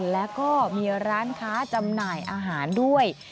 แล้วก็มีร้านค้าจำหน่ายอาหารด้วย